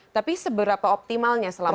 tapi seberapa optimalnya selama ini